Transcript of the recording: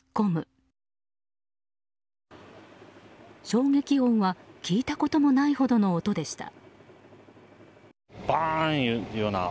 衝撃音は聞いたこともないほどの音でした。